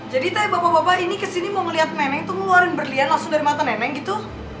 jadi teh bapak bapak ini kesini mau ngeliat nenek tuh ngeluarin berlian langsung dari mata nenek gitu